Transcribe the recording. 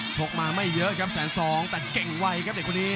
ชกมาไม่เยอะครับแสนสองแต่เก่งไวครับเด็กคนนี้